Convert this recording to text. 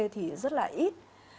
thì rất là ít